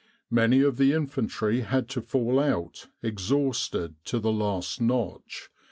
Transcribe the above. Many of the infantry had to fall out, exhausted to the last notch.